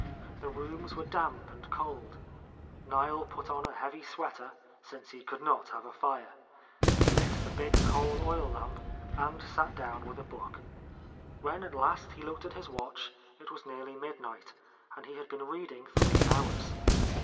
The rooms were damp and cold. Niel put on a heavy sweater, since he could not have a fire, lit — 128 — A Lost Lady the big coal oil lamp, and sat down with a took. When at last he looked at his watch, it was nearly midnight, and he had been reading three hours.